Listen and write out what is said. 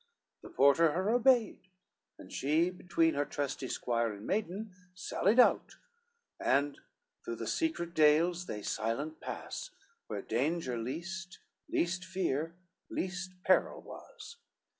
The porter her obeyed, and she, between Her trusty squire and maiden, sallied out, And through the secret dales they silent pass, Where danger least, least fear, least peril was.